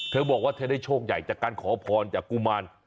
เธอบอกว่าเธอได้โชคใหญ่จากการขอพรจากกุมาร